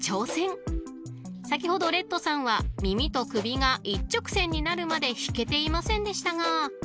［先ほどレッドさんは耳と首が一直線になるまで引けていませんでしたが］